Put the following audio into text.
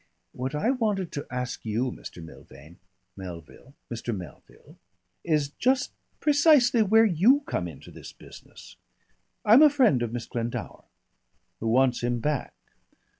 "What I wanted to ask you, Mr. Milvain " "Melville." "Mr. Melville, is just precisely where you come into this business?" "I'm a friend of Miss Glendower." "Who wants him back."